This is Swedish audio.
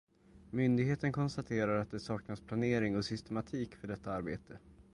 Myndigheten konstaterar att det saknas planering och systematik för detta arbete.